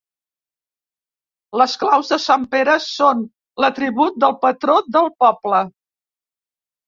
Les claus de Sant Pere són l'atribut del patró del poble.